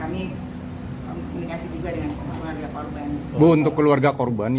kami komunikasi juga dengan keluarga korban